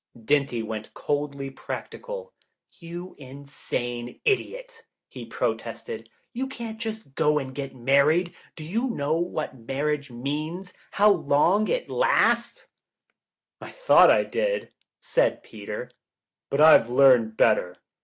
Dinty went coldly practical. "You insane idiot," he protested, "you can't just go and get married. Do you know what marriage means — how long it lasts?" "I thought I did," said Peter, "but I've learned better.